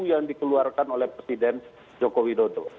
yang dikeluarkan oleh presiden joko widodo